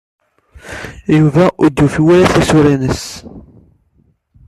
Yuba ur d-yufi tisura-nnes.